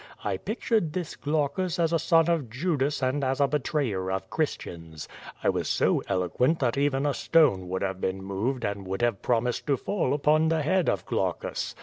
I pictured this Glaucus as a son of Judas and as a betrayer of Christians. I was so eloquent that even a stone would have been moved and would have promised to fall upon the head of Glaucus.